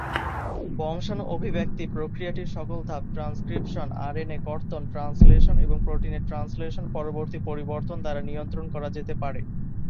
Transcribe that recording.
বংশাণু অভিব্যক্তি প্রক্রিয়াটির সকল ধাপ ট্রান্সক্রিপশন, আরএনএ কর্তন, ট্রান্সলেশন এবং প্রোটিনের ট্রান্সলেশন-পরবর্তী পরিবর্তন দ্বারা নিয়ন্ত্রণ করা যেতে পারে।